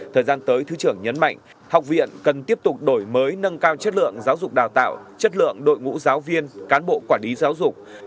thời gian tới thứ trưởng nhấn mạnh học viện cần tiếp tục đổi mới nâng cao chất lượng giáo dục đào tạo chất lượng đội ngũ giáo viên cán bộ quản lý giáo dục